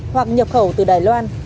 hoặc nhập khẩu từ đài loan